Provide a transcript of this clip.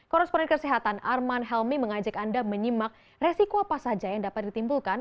korresponden kesehatan arman helmi mengajak anda menyimak resiko apa saja yang dapat ditimbulkan